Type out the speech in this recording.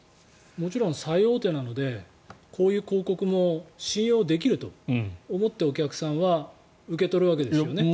もちろん最大手なのでこういう広告も信用できると思ってお客さんは受け取るわけですよね。